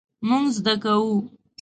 مونږ زده کوو